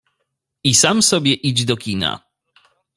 I sam sobie idź do kina.